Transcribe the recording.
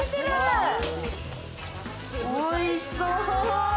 おいしそう！